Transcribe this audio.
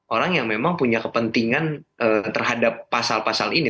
orang yang memang punya kepentingan terhadap pasal pasal ini